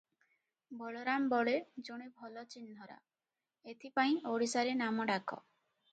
ବଳରାମ ବଳେ ଜଣେ ଭଲ ଚିହ୍ନରା, ଏଥିପାଇଁ ଓଡିଶାରେ ନାମଡାକ ।